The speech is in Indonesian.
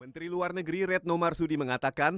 menteri luar negeri retno marsudi mengatakan